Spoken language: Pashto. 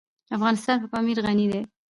افغانستان په پامیر غني دی.